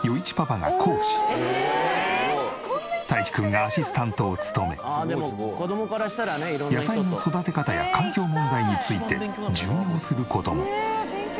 たいちくんがアシスタントを務め野菜の育て方や環境問題について授業する事も。